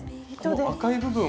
赤い部分。